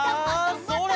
それ！